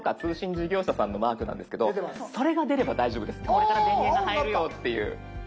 これから電源が入るよっていう。